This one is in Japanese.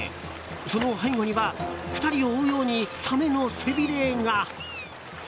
その背後には２人を追うようにサメの背びれが。